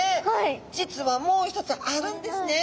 実はもう一つあるんですね。